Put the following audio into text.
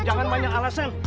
jangan banyak alasan